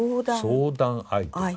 相談相手。